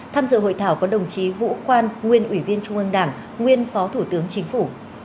tham dự hội thảo có đồng chí vũ khoan nguyên ủy viên trung ương đảng nguyên phó thủ tướng chính phủ